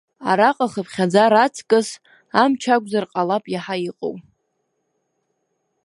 Араҟа ахыԥхьаӡара аҵкыс амч акәзар ҟалап иаҳа иҟоу.